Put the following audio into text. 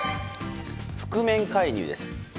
覆面介入です。